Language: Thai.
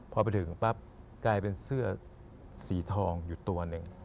พอไปถึงปั๊บกลายเป็นเสื้อสีทองอยู่ตัวหนึ่ง